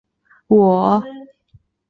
我们到了圆山公园站